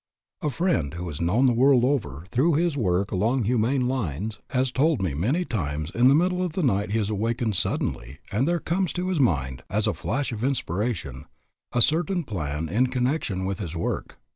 A friend who is known the world over through his work along humane lines, has told me that many times in the middle of the night he is awakened suddenly and there comes to his mind, as a flash of inspiration, a certain plan in connection with his work.